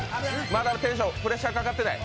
まだテンション、プレッシャーかかってない。